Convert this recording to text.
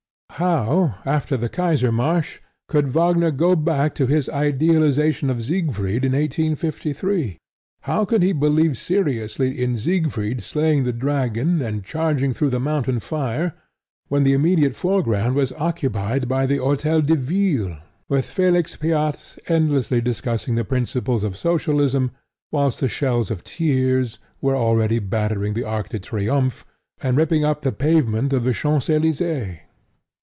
How, after the Kaisermarsch, could Wagner go back to his idealization of Siegfried in 1853? How could he believe seriously in Siegfried slaying the dragon and charging through the mountain fire, when the immediate foreground was occupied by the Hotel de Ville with Felix Pyat endlessly discussing the principles of Socialism whilst the shells of Thiers were already battering the Arc de Triomphe, and ripping up the pavement of the Champs Elysees?